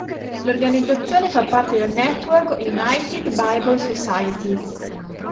L'organizzazione fa parte del "network" United Bible Societies.